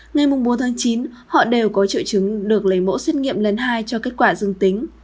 ngay mùng bốn tháng chín họ đều có triệu chứng được lấy mẫu xét nghiệm lần hai cho kết quả dương tính